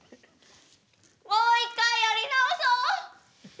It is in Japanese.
もう一回やり直そう！